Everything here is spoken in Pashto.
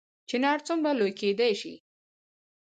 چنار څومره لوی کیدی شي؟